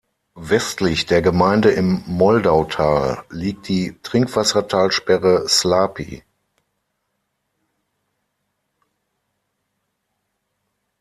Westlich der Gemeinde im Moldautal liegt die Trinkwassertalsperre Slapy.